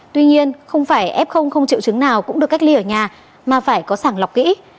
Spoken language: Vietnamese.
tuy nhiên không phải f không triệu chứng nào cũng được cách ly ở nhà mà phải có sẵn sàng lọc kỹ